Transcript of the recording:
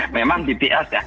memang bts ya